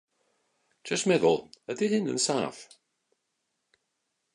Jyst meddwl, ydy hyn yn saff?